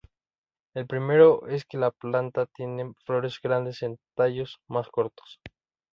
El primero es que la planta tiene flores más grandes en tallos más cortos.